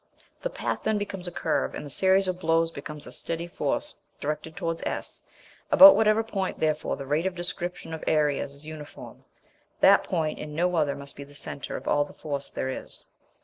The path then becomes a curve, and the series of blows becomes a steady force directed towards S. About whatever point therefore the rate of description of areas is uniform, that point and no other must be the centre of all the force there is.